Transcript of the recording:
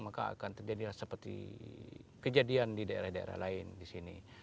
maka akan terjadi seperti kejadian di daerah daerah lain di sini